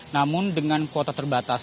namun dengan kuota terbatas